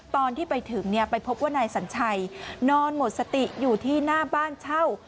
ตอนที่ไปถึงไปพบว่านายสัญชัยนอนหมดสติอยู่ที่หน้าบ้านเช่า